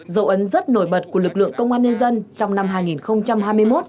dấu ấn rất nổi bật của lực lượng công an nhân dân trong năm hai nghìn hai mươi một